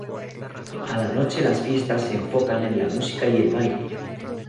A la noche las fiestas se enfocan en la música y el baile.